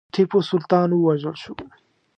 ټیپو سلطان ووژل شو.